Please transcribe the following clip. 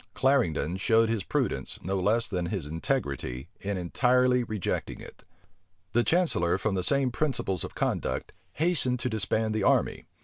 Clarendon showed his prudence, no less than his integrity, in entirely rejecting it. The chancellor, from the same principles of conduct, hastened to disband the army.